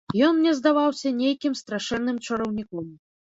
Ён мне здаваўся нейкім страшэнным чараўніком.